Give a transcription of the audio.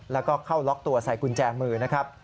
และเข้าร็อคตัวใส่กุญแจมือ